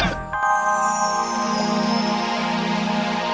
dalam kehidupan si aing